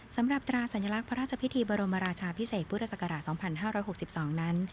สำหรับตราสัญลักษณ์พระราชพิธีบรมราชาพิเศษพศ๒๕๖๒นั้น